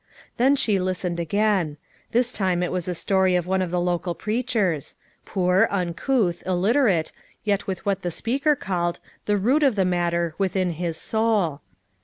Then she listened again. This time it was a story of one of the local preachers ; poor, un couth, illiterate, yet with what the speaker called "the root of the matter" within his soul.